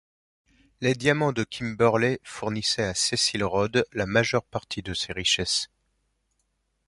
Les diamants de Kimberley fournissaient à Cecil Rhodes la majeure partie de ses richesses.